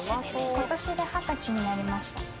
ことしで２０歳になりました。